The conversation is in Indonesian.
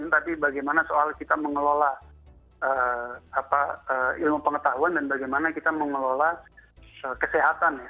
tapi bagaimana soal kita mengelola ilmu pengetahuan dan bagaimana kita mengelola kesehatan ya